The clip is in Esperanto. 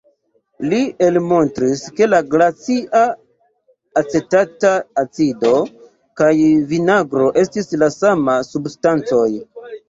Li elmontris ke la glacia acetata acido kaj vinagro estis la sama substancoj.